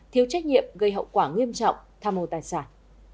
thiếu trách nhiệm gây hậu quả nghiêm trọng tham mô tài sản